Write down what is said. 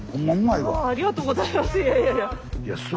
ありがとうございます。